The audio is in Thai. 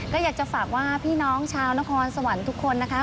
ก็อยากจะฝากว่าพี่น้องชาวนครสวรรค์ทุกคนนะคะ